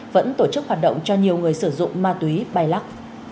vẫn tổ chức hoạt động cho nhiều người sử dụng ma túy bài lắc